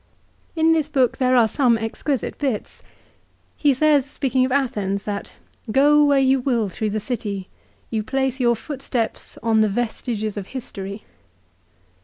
In this book there are some exquisite bits. He says, speaking of Athens, that, " Go where you will through the city, you place your footsteps on the vestiges of history."